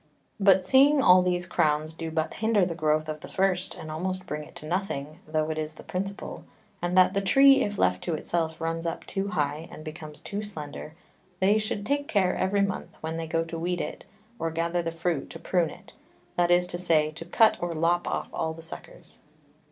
But seeing all these Crowns do but hinder the Growth of the first, and almost bring it to nothing, tho it is the principal; and that the Tree, if left to itself, runs up too high, and becomes too slender; they should take care every Month when they go to weed it, or gather the Fruit, to prune it; that is to say, to cut or lop off all the Suckers.